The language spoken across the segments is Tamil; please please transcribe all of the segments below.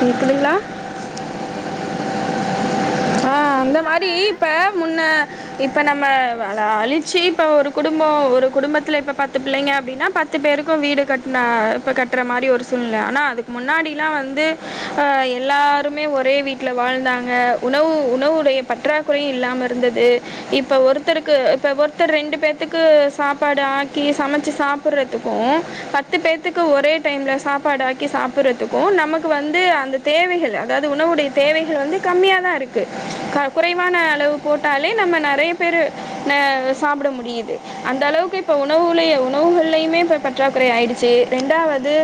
கேக்குறீங்களா கேக்குது அ அது ஆஹ் மட்டு அந்த இல்லாம மாதிரி இப்ப முன்ன இப்ப நம்ம பல அழிச்சி இப்போ ஒரு குடும்போ ஒரு குடும்பத்துல இப்ப பத்து பிள்ளைங்க அப்டின்னா பத்து பேருக்கு வீடு கட்னா இப்பொ கட்ற மாரி ஒரு சூழ்நில ஆனா அதுக்கு முன்னாடில்லா வந்து ஆ எல்லாருமே ஒரே வீட்ல வாழ்ந்தாங்க உணவு உணவுடைய பற்றாக்குறையு இல்லாம இருந்தது இப்ப ஒருத்தருக்கு இப்ப ஒருத்தர் ரெண்டு பேத்துக்கு சாப்பாடு ஆக்கி சமச்சி சாப்புர்றதுக்கு பத்து பேத்துக்கு ஒரே டைம்ல சாப்பாடு ஆக்கி சாப்புர்றதுக்கு நமக் கு வந்து அந்த தேவைகள் அதாவ்து உணவுடைய தேவைகள் வந்து கம்மியா தா இருக்கு க குறைவான அளவு போட்டாலே நம்ம நறையா பேரு ந சாப்ட முடியிது அந்த அளவுக்கு இப்ப உணவுளயே உணவுகள்லையுமே இப்ப பற்றாக்குறை ஆயிடுச்சி ரெண்டாவ்து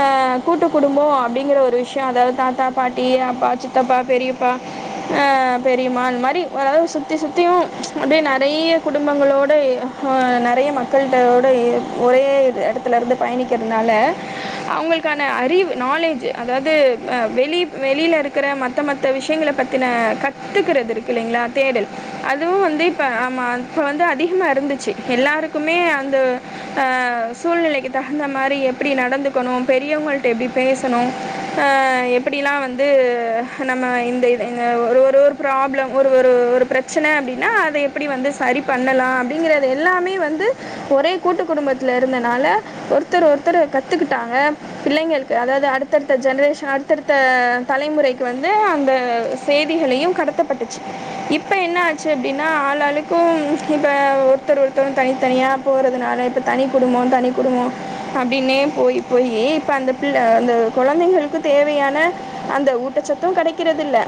ஆ கூட்டு குடும்பொ அப்படிங்குற ஒரு விஷ்யொ அதாவ்து தாத்தா பாட்டி அப்பா சித்தப்பா பெரியப்பா ஆ பெரியம்மா அந்த மாரி ஆ அதாது சுத்தி சுத்தியு அப்டே நறைய குடும்பங்களோட இ ஆ நறைய மக்கள்ட்ட ஓட இ ஒரே இட எடத்லேர்ந்து பயணிக்கிறத்னால அவ்ங்களுக்கான அறிவ் நாலேஜு அதாவ்து அ வெளி வெளிய்ல இருக்குற மத்த மத்த விஷயங்கள பத்தின கத்துக்குறது இருக்குல்லைங்களா தேடல் அதுவு வந்து இப்போ ஆமா அப்பொ வந்து அதிகமாக இருந்துச்சி எல்லாருக்குமே அந்த ஆ சூழ்நிலைக்கு தகுந்த மாரி எப்டி நடந்துக்கொணு பெரியவங்கள்ட்ட எப்டி பேசணு ஆ எப்டில்லா வந்து நம்ம இந்த இது இந்த ஒரு ஒரு ஒரு ப்ராப்ளம் ஒரு ஒரு ஒரு ப்ரச்சன அப்டின்னா அத எப்டி வந்து சரி பண்ணலா அப்டிங்கிறது எல்லாமே வந்து ஒரே கூட்டு குடும்பத்துல இருந்தனால ஒருத்தர் ஒருத்தரு கத்துக்கிட்டாங்க பிள்ளைங்களுக்கு அதாவ்து அடுத் தடுத்த ஜென்ரேஷன் அடுத்தடுத்த தலைமுறைக்கு வந்து அந்த செய்திகளையு கடத்தப்பட்டுச்சி இப்ப என்ன ஆச்சு அப்டின்னா ஆளாளுக்கு இப்போ ஒருத்தர் ஒருத்தரு தனித்தனியா போறதுனால இப்பொ தனி குடும்பொ தனி குடுமோ அப்டின்னே போய் போயி இப்போ அந்த பிள்ள அந்த கொழந்தைங்களுக்கு தேவையான அந்த ஊட்டச்சத்து கெடைக்கிறதில்ல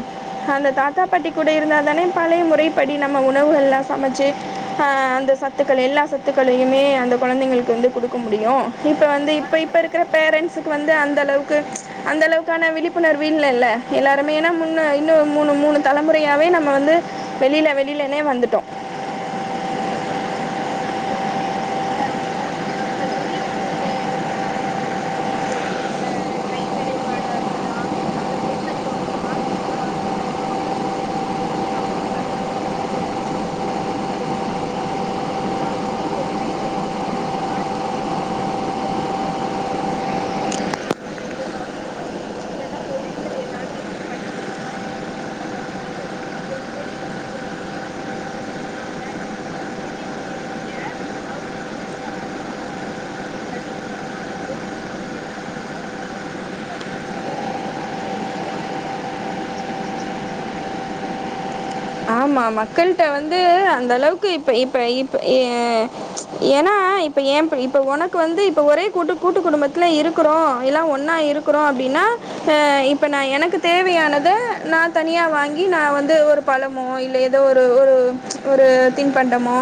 அந்த தாத்தா பாட்டி கூட இருந்தா தானே பழைய முறைப்படி நம்ம உணவுகள்லா சமச்சி ஆ அந்த சத்துக்கள் எல்லா சத்துக்களையுமே அந்த கொழந்தைங்களுக்கு வந்து குடுக்க முடியு இப்ப அந்த வந்து இப்ப இப்ப பாரம்பரியம் இருக்குற பேரண்ட்ஸுக்கு வந்து அந்தளவு க்கு அந்தளவுக்கான விழிப்புணர்வு இல்லல்ல எல்லாருமே, ஏன்னா முன்னு இன்னும் மூணு மூணு தலைமுறையாவே நம்ம வந்து வெளில வெளிலனே வந்துட்டோ ஆமா உண்மதா, அதே மாரி அ முதியோர்கள் பெரியவங்க கிட்ட இருந்த அறிவுகள் சில வந்து அ கை வேலைப்பாடாருக்கலாம் சில பொது அறிவு அவங்க வாழ்க்கையில வாழ்ந்த அனுபவங்கள் சிலவது வந்து அவங்க தலைமுறைக்கு அடுத்து எடுத்து சொல்ற அளவுக்கு அவங்க இருந்துருக்கலா ஏதோ ஒரு கை வைத்தியமோ இல்ல பாட்டி வைத்தியோ இந்த மாதிரி இருக்கலா இல்லன்னா உணவுகள வந்து சமைக்கிற விதமா இருக்கட்டு சிலனா தொழில்கள் ஏதாவது இப்டி பண்றது இந்த மாரி நம்ம வந்து மு பெ பெரியவங்க கூட முதியவர்கள் கூட இல்லாம நம்ம பிரிய பிரிய பிரிய அவங்ககிட்ட இருந்த அறிவு, அவங்ககிட்ட இருந்த கல்வியு, அந்த பொறுமையு எல்லாத்தையுமே வந்து இப்ப இருக்கிற சமுதாயம் வந்து ரொ அதிகமா இழந்துருச்சுனுதா சொல்லுனு ஆமா மக்கள்ட்ட வந்து அந்த அளவுக்கு இப்ப இப்ப இப்ப ஏ ஏன்னா இப்ப ஏ ப்ப இப்ப ஒனக்கு வந்து இப்ப ஒரே கூட்டு கூட்டு குடும்பத்துல இருக்குறோ எல்லா ஒன்னா இருக்குறோ அப்படின்னா அ இப்ப நா எனக்கு தேவையானத நா தனியா வாங்கி நா வந்து ஒரு பழ மோ இல்ல ஏதோ ஒரு ஒரு ஒரு தின்பண்டமோ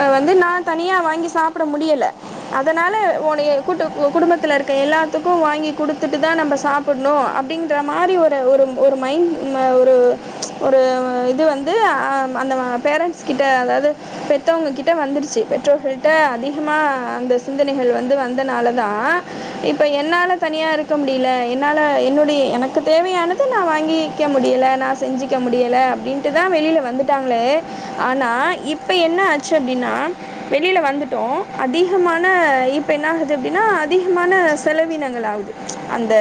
அ வந்து நா தனியா வாங்கி சாப்ட முடியல, அதனால ஒன்னய கூட்டு குடும்பத்துல இருக்க எல்லாத்துக்கு வாங்கி குடுத்துட்டுதா நம்ப சாப்புட்ணு அப்டின்ற மாரி ஒரு ஒரு ஒரு மைண்ட் ம ஒரு ஒரு இது வந்து அ அந்த பேரண்ட்ஸ் கிட்ட அதாவது பெத்தவங்ககிட்ட வந்துடுச்சு பெற்றோர்கள்ட்ட அதிகமா அந்த சிந்தனைகள் வந்து வந்தனாலதா இப்ப என்னால தனியா இருக்க முடியல என்னால என்னுடைய எனக்கு தேவையானத நா வாங்கிக்க முடியல நா செஞ்சிக்க முடியல அப்டின்னு ட்டுதா வெளில வந்துட்டாங்களே ஆனா இப்ப என்ன ஆச்சு அப்டின்னா வெளில வந்துட்டோ அதிகமான இப்ப என்னகுது அப்டின்னா அதிகமான செலவினங்கள் ஆவுது அந்த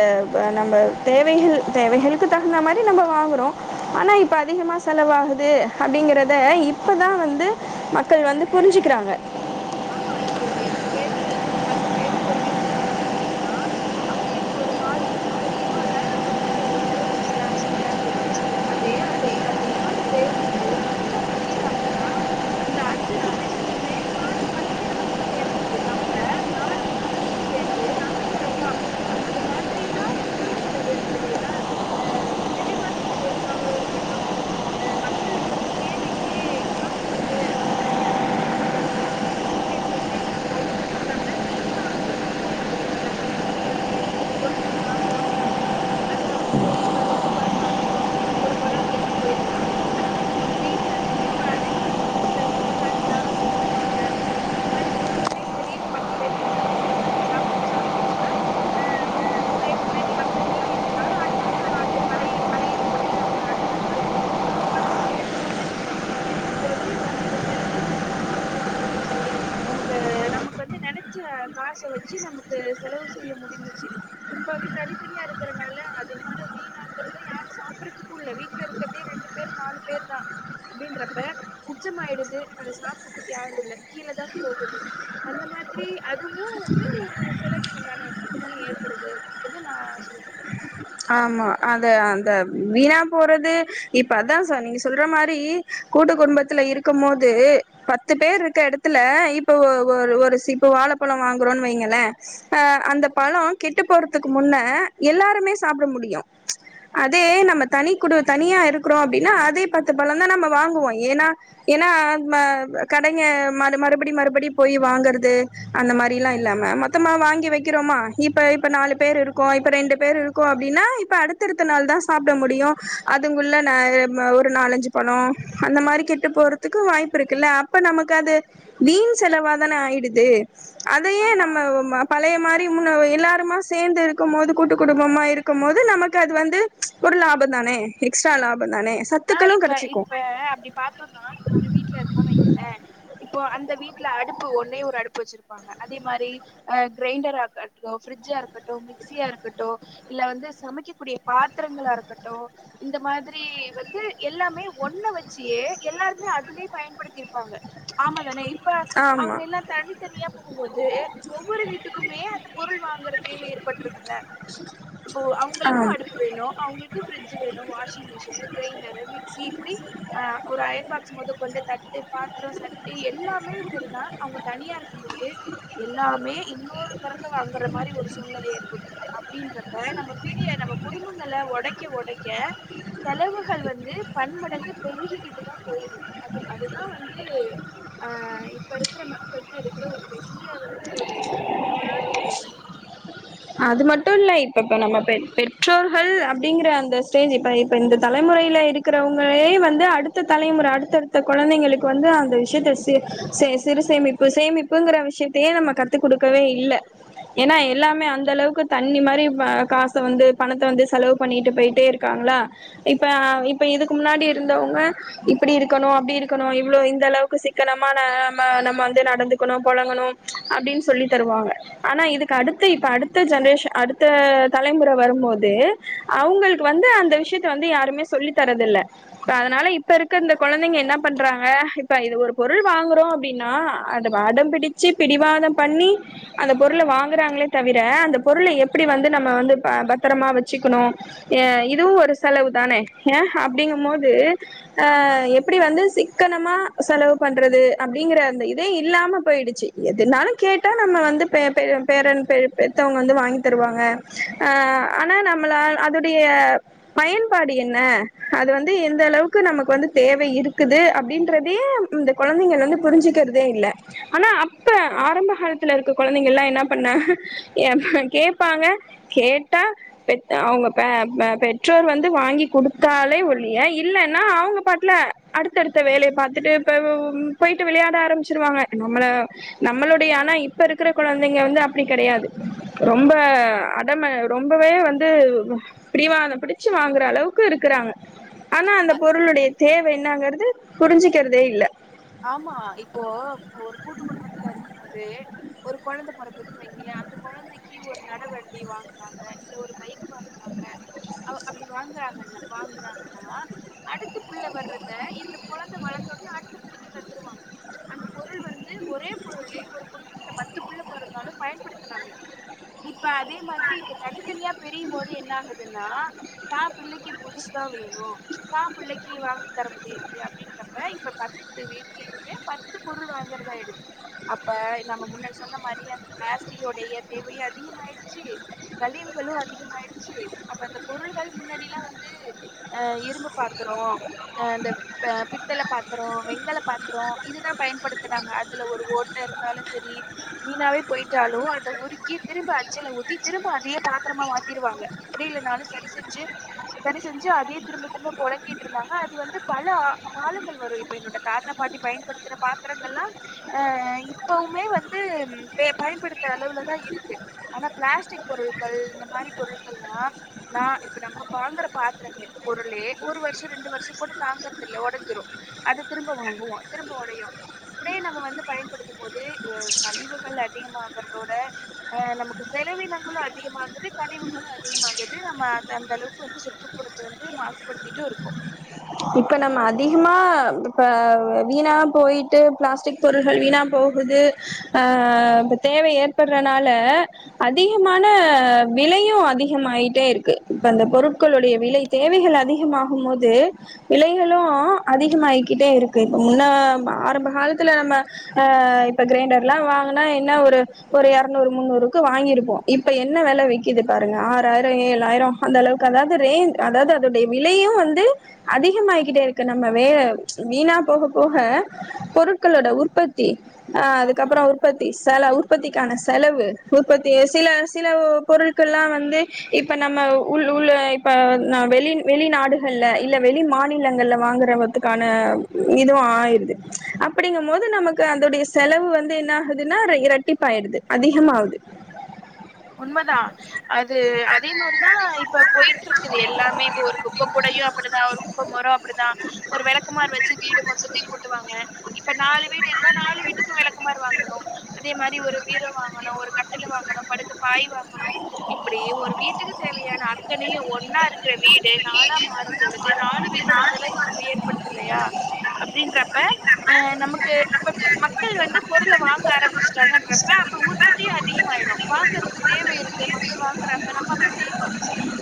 நம்ப தேவைகள் தேவைகளுக்கு தகுந்த மாரி நம்ப வாங்குறோ ஆனா இப்ப அதிகமா செலவாகுது அப்டிங்கறத இப்பதா வந்து மக்கள் வந்து புரிஞ்சுக்கிறாங்க ஆமா, இப்ப ஒரு எட்டு பேரு ஒரு பத்து பேரு ஒரு வீட்ல இருக்காங்க அப்டின்னா அவங்களுக்கு ஒரு மாதம் வந்து ஒரு இருவதாயிரம் வந்து செலவு செய்றாங்கன்னு வச்சுக்கலா அதே அந்த அந்த இருவது பேர் வந்து அஞ்சா பிரியுறாங்கன்னா அந்த அஞ்சஞ்சு பேத்துக்குமே மாதம் பத்தாயிரரூவா செலவு ஏற்படுது அப்ப நாலு குடும்பத்துக்கு சேத்து நாப்பதாயரூவா அது மாதிரிதா செலவினங்கள் ஏற்படுது ஏன்னா அ ம் விலைவாசி உயர்வாவு இருக்கட்டு அ மக்களுக்கு வந்து தேவைக்கே காசு இருக்கு நம்ம தனியா இருக்குமே நிம்மதியா இருக்கலா இப்டி இருக்குமே, அது மட்டு இல்லாம வீணாகாறதுமே இருக்கு இப்ப நம்ம நம்ம தேவைக்கி சில பொருட்கள் வாங்குறோனு வைங்களே அதுல வந்து இப்ப ரெண்டு பழ சாப்புட்றோ ஒரு பழம் கெட்டு போயிர்லா அது வந்து ஒரு வீண் தான அப்ப அதே கூட்டு குடும்பத்துல இருக்கும்போது அத யாரு சாப்ட்டுருப்பாங்கள அதே மாரி உணவுமே சேரி இப்ப பத்து பேத்துக்கு சமைக்கிற மாரி சாப்புட்ற சமைக்கிறோனா அ ஒரு எட்டு பேர் சாப்ட்டுட்டு மீதி இருக்குன்னா அடுத்த நேரம் அடுத்த பழைய பழையதுக்கு வந்து அப்பறோ அடுத்தடுத்து எடுத்து சாப்பாட வீணடிக்காமயு இருந்தாங்க அப்ப வந்து நமக்கு செலவுகள மிச்சப்படுத்தவு முடிஞ்சிச்சு நமக்கு நமக்கு வந்து நெனைச்ச காச வச்சு நமக்கு செலவு செய்ய முடிஞ்சிச்சு, இப்ப வந்து தனித்தனியா இருக்கறனால அதிகமான வீணாகறத யாரு சாப்பட்றதுக்கு இல்ல, வீட்ல இருக்கறதே ரெண்டு பேரு நாலு பேருதா அப்டின்றப்ப மிச்சமாயிடுது அத சாப்புட்றதுக்கு யாரு இல்ல கீழதா போகுது, அந்த மாதிரி அதுவு வந்து ஒரு செலவீனம்தானே அப்டித்தான ஏற்படுது அப்டிதா நா சொல்ற ஆமா, அத அந்த வீணா போறது இப்ப அதா சொ நீங்க சொல்ற மாரி கூட்டு குடும்பத்துல இருக்கும்மோது பத்து பேர் இருக்க எடத்துல இப்ப ஒ ஒ ஒரு இப்ப ஒரு சீப் வாழைப்பழோ வாங்குறோன்னு வைங்கள, அ, அந்த பழோ கெட்டு போறதுக்கு முன்ன எல்லாருமே சாப்ட முடியு, அதே நம்ம தனி குடு தனியா இருக்குறோ அப்டின்னா அதே பத்து பழம்தா நம்ம வாங்குவோ ஏனா ஏனா ம கடைங்க ம மறுபடி மறுபடி போய் வாங்கறது அந்த மாரில்லா இல்லாம மொத்தமா வாங்கி வைக்கிறோமா இப்ப இப்ப நாலு பேர் இருக்கோ, இப்ப ரெண்டு பேர் இருக் க்கோ அப்டின்னா இப்ப அடுத்தடுத்த நாள் தா சாப்ட முடியு அதுங்குள்ள ந ம ஒரு நாலஞ்சு பழோ அந்த மாரி கெட்டு போறதுக்கு வாய்ப்பு இருக்குல்ல அப்ப நமக்கு அது வீண் செலவா தான ஆயிடுது அதையே ஆமா நம்ம வ்வ்ம பழைய மா [unintelligible] முன்னவ எல்லாருமா சேந்து இருக்கும் மோது கூட்டுக் குடு ம்மமா இருக்கும் மோது நமக்கு அது வந்து ஒரு லாபந்தானே எக்ஸ்ட்ரா லா ஆஹ் இப்ப இப்ப அப்டி பாத்தோன்னா ஒரு வீட்ல இருக்கோன் வெய்ங்களே இப்போ அந்த வீட்ல அடுப்பு ஒன்னே ஒரு அடுப்பு வெச்சிரு ப்பாங்க அதே மாரி அ கிரைண்டரா கட்டு ஃபிரிஜ்ஜா இருக்கட்டு மிக்சியா இருக்கட்டு இல்ல வந்து சமைக்கக்கூடிய பாத்திரங்களா இருக்கட்டு இந்த மாதிரி வ ந்து எல்லாமே ஒண்ண வெச்சியே எல்லாருமே அதுலியே பயன்படுத்தி இருப்பாங்க ஆமா தானே இ ப்ப ஆமா அவுங்க எல்லா தனித்தனியா போகும்போது ஒவ்வொரு வீட்டுக்குமே அந்த பொருள் வாங்குற தேவை ஏற்பட்றுது இல்ல இப்போ அவுங்களுக்கு ஆம் அடுப்பு வேணு அவுங்களுக்கு ஃபிரிட்ஜ் வேணு வாஷிங் மிஷினு கிரைண்டரு மிக்சி இப்பிடி அ ஒரு அயன் பாக்ஸ் மொத கொண்டு தட்டு பா த்ரோ சட்டி எல்லாமே செரிதா அவுங்க தனியா இருக்கும் போது எல்லாமே இன்னொரு தரக்கு வாங்கற மாரி ஒரு சூழ்நிலை ஏற்பட்டுருது அப்டின்றப்ப நம்ப பிரிய நம்ப குடும்பங்கள ஒடைக்க ஒடைக்க செலவு கள் வந்து பன்மடங்கு பெருகிகிட்டு தா போகு அது அதுதா வந்து அ இப்ப இருக்ற மக்கள்ட்ட இருக்ற ஒரு பெரிய வந்து ஒரு தவறான ஒரு வழி அது மட்டு இல்ல இப்பப்ப நம்ம பெற் பெற்றோர்கள் அப்டிங்கிற அந்த ஸ்டேஜு இப்ப இப்ப இந்த தலைமுறையில இருக்கறவங்களே வந்து அடுத்த தலைமுற அடுத்தடுத்த கொழந்தைங்களுக்கு வந்து அந்த விஷ்யத்த சி செ சிறு சேமிப்பு சேமிப்புங்கற விஷ்யத்தையே நம்ம கத்து குடுக்கவே இல்ல ஏன்னா எல்லாமே அந் ந்த அளவுக்கு தண்ணி மாரி அ காச வந்து பணத்த வந்து செலவு பண்ணிட்டு போயிட்டே இருக்காங்களா இப்ப அ இப்ப இதுக்கு முன்னாடி இருந்தவங்க இப்பிடி இருக்கணு அப்டி இருக்கணு இ்வ்ளோ இந்த அளவுக்கு சிக்கனமான அ அம்ம நம்ம வந்து நடந்துக்கணு பொழங்கணு அப்டின் சொல்லி தருவாங்க ஆனா இதுக்கு அடுத்து இப்ப அடு த்த ஜென்ரேஷ அடுத்த தலைமுற வரும்போது அவுங்களுக்கு வந்து அந்த விஷ்யத்த வந்து யாருமே சொல்லி தரதில்ல அதனால இப்ப இருக்க இந்த கொழந்தைங்க என்ன பண்றாங்க இப்ப இது ஒரு பொருள் வாங்குறோ அப்டின்னா அத அடம் பிடிச்சி பிடிவாதம் பண்ணி அந்த பொருள வாங்குறாங்ளே தவி ர அந்த பொருள எப்பிடி வந்து நம்ம வந்து ப பத்தரமா வெச்சிக்கணு எ இதுவு ஒரு செலவு தானே ஏ அப்டிங்கும்மோது ஆ ஆமா எப்பிடி வந்து சிக் க்கனமா செலவு பண்றது அப்டிங்கற அந்த இதே இல்லாம போயிடுச்சி எதுனாலு கேட்டா நம்ம வந்து பே பேய பேரன் பே பெத்தவங்க வந்து வாங்கி தருவாங்க ஆ ஆனா நம்மள அ அதுடைய பயன்பாடு என்ன அது வந்து எந்த அளவுக்கு நமக்கு வந்து தேவை இருக்குது அப்டின்றதயே ம் இந்த கொழந்தைங்கள் வந்து புரிஞ்சுக்கிறதே இல்ல ஆனா அப்ப ஆரம்ப காலத்துல இருக்க கொழந்தைங்கள்லா என்னா பண்ண ஏ ம் கேப்பாங்க கேட்டா பெத் அவுங்க பே ப பெற்றோர் வந்து வாங்கி குடுத்தாலே ஒழிய இல்லேன்னா அவுங்க பாட்ல அடுத்தடுத்த வேலைய பாத்துட்டு இப்ப வ்வ்ம் போயிட்டு விளையாட ஆரம்பிச்சிருவாங்க நம்மள நம்மளுடைய ஆனா இப்ப இருக்கற குழந்தைங்க வந்து அப்பிடி கெடையாது ரொம்ப அடம ரொம்பவே வந்து பிடிவாதம் பிடிச்சு வாங்குற அளவுக்கு இருக்குறாங்க ஆனா அந்த பொருளுடைய தேவ என் ன்னாங்கறது புரிஞ்சுக்கிறதே இல்ல ஆமா இப்போ ஒரு கூட்டு குடும்பத்துல துன் வெய்ங்களே அந்த கொழந்தைக்கி ஒரு நடவண்டி வாங்குறாங்க இல்ல ஒரு பைக் கு வாங்குறாங்க அ அப்டி வாங்குறாங்கன் வாங்குறாங்கன்னா அடுத்த புள்ள வர்றத இந்த கொழந்தை வளந்தொன்னியு அடுத்த புள்ளிக்கு ட்டு வாங்க அந்த பொருள் வந்து ஒரே பொருளெ ஒரு குடும்பத்துல பத்து புள்ள பொறந்தாலும் பயன்படுத்துனாங்க இப்ப அதே மாதிரி இப்ப தனித்தனியா பிரியும் போது என்ன ஆகுதுன்னா தா பிள்ளைக்கி புதுசுதா வேணு தா புள்ளைக்கி வாங்க தர முடியாது அப்படின்றப்ப இப்ப த்து வீட்லக்கிமே பத்து பொருள் வாங்கறதாடுயிது அப்ப நம்ப முன்னாடி சொன்ன மாரி அந்த பிளாஸ்ட்டிக் உடைய தேவயு அதிகமாயிடுச்சி கழிவுகளு அதிகமாயிடுச்சி அப்ப இந்த பொருள்கள் முன்னாடில்லா வந்து அ இரும்பு பாத்ரோ அ இந்தவ் அ பித்தள பாத்ரோ வெங் த்தல பாத்ரோ இதுதா பயன்படுத்தறாங்க அதுல ஒரு ஓட்ட இருந்தாலு செரி வீணாவே போய்ட்டாலு அத உருக்கி திரும்ப அச்சில ஊத்தி திரும்ப அதயே பாத்தரமா வாத்திருவாங்க [inaudible] சரி செஞ்சு சரி செஞ்சு அதயே திரும்ப திரும்ப பொழங்கிட்டு இருந்தாங்க அது வந்து பல அ காலங்கள் வரு இப்ப என்னொட தாத்தா பாட்டி பயன்படுத்துற பாத்தரங்கள்லா அ இப்பவுமே வந்து ம் பெ பயன்படுத்த அளவுலதா இருக்கு ஆனா பிளாஸ்டிக் பொருள்கள் இந்த மாரி பொருள்கள்லா நா இப்ப நம்ம ப்ப வாங்குற பாத்திரங்கள் பொருளே ஒரு வர்ஷோ ரெண்டு வர்ஷங்கூட தாங்கறது இல்ல ஒடஞ்சிரு அது திரும்ப வாங்குவோ திரும்ப ஒடையு இப்டியே நம்ம வந்து பயன்படுத்தும் போது அ கழிவுகள் அதிகமாகறதோட அ நமக்கு செலவீனங்களு அதிகமாகுது கழிவுகளு அதிகமாகுது நம்ம அத அந்த அளவுக்கு வந்து சுற்றுப்புறத்த வந்து மாசுபடுத்திட்டூ இருக்கோ இப்ப நம்ம அதிகமா இப்ப வ வீணா போயிட்டு பிளாஸ்டிக் பொருள்கள் வீணா போகுது அ ப்ப தேவ ஏற்பட்றனால அதிகமான விலையு அதிகமாய்ட்டே இருக்குது இப்ப அந்த பொருட்களுடைய விலை தேவைகள் அதிகமாகும் போது விலைகளு உ அதிகமாயிக்கிட்டே இருக்கு இப்ப முன்ன ப ஆரம்ப காலத்துல நம்ம அ இப்ப கிரைண்டர்ல்லா வாங்கனா என்ன ஒரு ஒரு எறநூறு முன்னூறுக்கு வாங்கிருப்போ இப்ப என்ன வெல விக்கிது பாருங்க ஆறாயிரோ ஏழாயிரோ அந்த அளவுக்கு அதாவது ரே அதாவது அதுடைய விலையு வந்து அதிகமாய்க்கிட்டே இருக்கு நம்ம வேக வீணா போக போக பொருட்களோட உற்பத்தி அ ஆமா அதுக்கப்பறோ உற்பத்தி செலவு ற்பத்திக்கான செலவு உற்பத்திய சில சிலவ் பொருட்கள்லா வந்து இப்ப நம்ம உள் உள் இப்ப நா வெளி வெளிநாடுகள்ல இ ல்ல வெளி மாநிலங்கள்ல வாங்கறவதுக்கா ன இதுவு ஆய்ருது அப்படிங்கும் போது நமக்கு அதுடைய செலவு வந்து என்ன ஆகுதுன்னா ர இரட்டிப்பாயிடுது அதிகமாவ்து உண்மைதா அது அதே மாரிதா இப்ப போயிட்டு இருக்குது எல்லாமே இப்போ ஒரு குப்பை கூடையு அப்புடிதா ஒரு குப்ப மொரொ அப்டிதா ஒரு வெளக்குமாரு வச்சு வீடு மொத்தத்தையு கூட்டுவாங்க இப்ப நாலு வீடு இருந்தா நாலு வீட்டுக்கு வெளக்குமாரு வாங்கணு அதே மாரி ஒரு பீரோ வாங்கனு ஒரு கட்டில வாங்கணு [unintelligible] வாங்கனும் இப்புடி ஒரு வீட்டுக்கு தேவையான அத்தனையு ஒன்னா இருக்குற வீடு நாளா மாற ழுது நாலு வீட்டோட செலவு அங்க ஏற்படுது இல்லயா அப்படின்றப்ப நமக்கு அப்ப மக்கள் வந்து பொருள வாங்க ஆரம்பிச்சுட்டாங்கன்றப்ப அப்ப உற்பத்தியு அதிகமாயிடு ங்கக்கு தேவ இருக்கே மக்கள் வாங்குறாங்க நம்மப்ப செய்வோ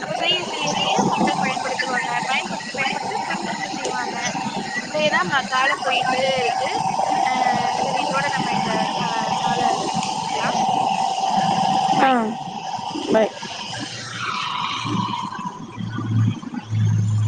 அப்ப செய்ய செய்ய செய்ய மக்கள் பயன்படுத்துவாங்க பயன்படுத்த பயன்படுத்த திரும்ப செய்வாங்க இப்டியேதா மா கால போயிட்டே இருக்கு அ சரி இதோட நம்ம இந்த கா கால்ல கட செஞ்சுக்கலா ஆ பாய் ஃபாய்